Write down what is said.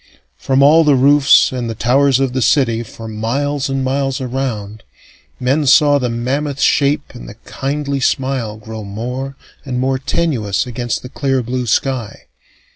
From all the roofs and the towers of the city, for miles and miles around, men saw the mammoth shape and the kindly smile grow more and more tenuous against the clear blue sky.